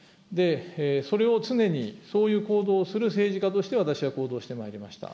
それを常に、そういう行動をする政治家として私は行動してまいりました。